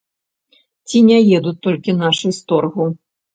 Ці не едуць толькі нашы з торгу!